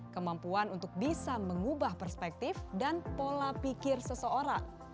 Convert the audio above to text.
kemampuan untuk bisa mengubah perspektif dan pola pikir seseorang